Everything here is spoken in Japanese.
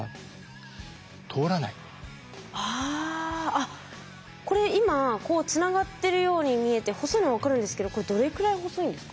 あっこれ今こうつながってるように見えて細いのは分かるんですけどこれどれくらい細いんですか？